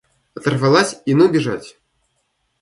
Оторвалась и ну бежать!